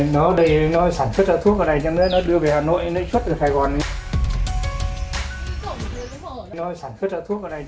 nó sản xuất thuốc ở đây nó đưa về hà nội nó xuất từ hà nội